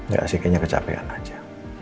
gak sih kayaknya kecapean aja